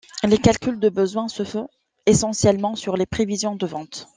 Les calculs de besoins se font essentiellement sur les prévisions de ventes.